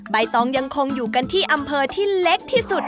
ใบตองยังคงอยู่กันที่อำเภอที่เล็กที่สุด